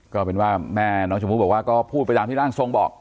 ก็เป็นว่าแม่น้องชมพู่บอกว่าก็พูดไปตามที่ร่างทรงบอก